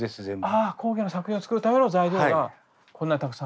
ああ工芸の作品を作るための材料がこんなにたくさんある。